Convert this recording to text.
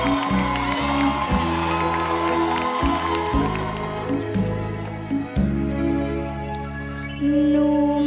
นุ่มทุ่มประจนทอง